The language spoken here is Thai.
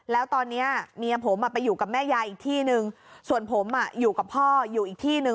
แล้วตอนนี้เมียผมไปอยู่กับแม่ยายอีกที่หนึ่งส่วนผมอยู่กับพ่ออยู่อีกที่หนึ่ง